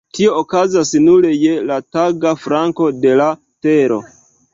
Tio okazas nur je la taga flanko de la Tero.